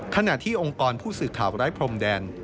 ขณะที่องค์กรผู้สื่อข่าวไร้พรมแดน